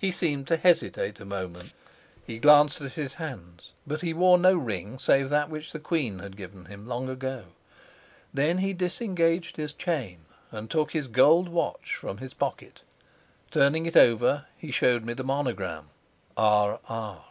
He seemed to hesitate a moment; he glanced at his hands, but he wore no ring save that which the queen had given him long ago. Then he disengaged his chain and took his gold watch from his pocket. Turning it over, he showed me the monogram, R. R.